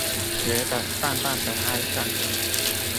覺得淡淡的哀傷